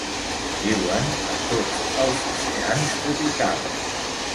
Viuen a tots els oceans tropicals.